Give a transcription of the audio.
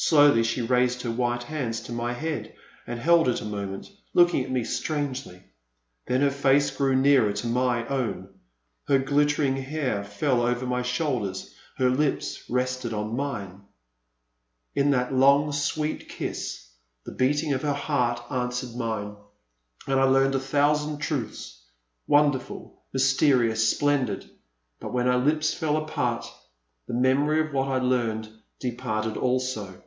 Slowly she raised her white hands to my head and held it a moment, looking at me strangely. Then her face grew nearer to my own, her glitter ing hair fell over my shoulders, her lips rested on mine. The Man at the Next Table. 387 In that long sweet kiss, the beating of her heart answered mine, and I learned a thousand truths, wonderful, mysterious, splendid, — but when our lips fell apart, — the memory of what I learned departed also.